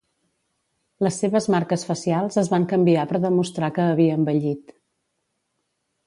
Les seves marques facials es van canviar per demostrar que havia envellit.